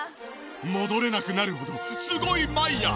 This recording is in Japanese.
戻れなくなるほどすごいマイヤー。